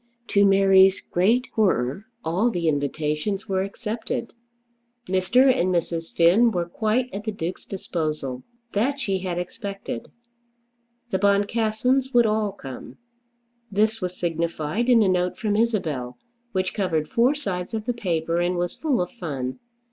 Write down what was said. To Mary's great horror, all the invitations were accepted. Mr. and Mrs. Finn were quite at the Duke's disposal. That she had expected. The Boncassens would all come. This was signified in a note from Isabel, which covered four sides of the paper and was full of fun.